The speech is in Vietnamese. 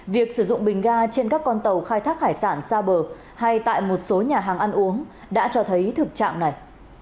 việc sử dụng bình ga trên các con tàu khai thác hải sản xa bờ hay tại một số nhà hàng ăn uống đã cho thấy thực trạng này